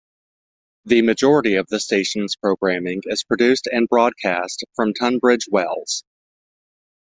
The majority of the station's programming is produced and broadcast from Tunbridge Wells.